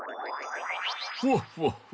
フォッフォッフォ。